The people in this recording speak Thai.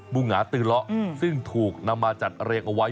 งาตือเลาะซึ่งถูกนำมาจัดเรียงเอาไว้